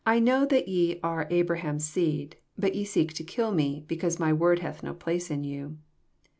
know that ye are Abraham's geed; bat ye seek to kill me, beoause my word hath no place in you.